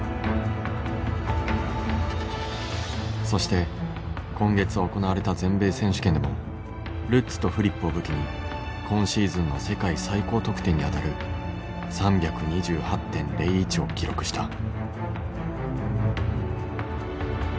そして今月行われた全米選手権でもルッツとフリップを武器に今シーズンの世界最高得点にあたる３２８．０１を記録した。